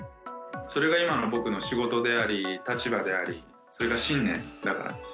それが今の僕の仕事であり、立場であり、それが信念だからです。